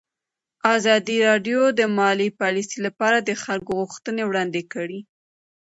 ازادي راډیو د مالي پالیسي لپاره د خلکو غوښتنې وړاندې کړي.